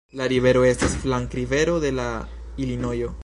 La rivero estas flankrivero de la Ilinojo.